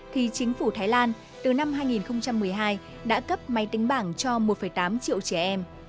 thì chính phủ thái lan từ năm hai nghìn một mươi hai đã cấp máy tính bảng cho một tám triệu trẻ em